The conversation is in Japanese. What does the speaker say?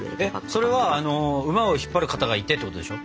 それは馬を引っ張る方がいてってことでしょ？